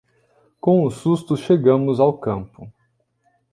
Com o susto chegamos ao campo.